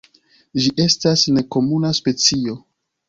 Ĝi estas nekomuna specio.